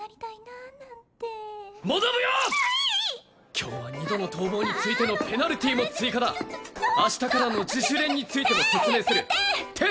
今日は二度の逃亡についてのペナルティーも追加だ明日からの自主練についても説明する手手！